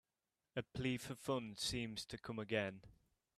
A plea for funds seems to come again.